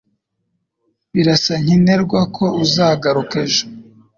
Birasa nkenerwa ko uzagaruka ejo.